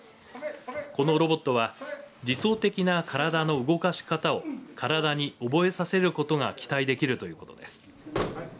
このロボットは理想的な体の動かし方を体に覚えさせることが期待できるということです。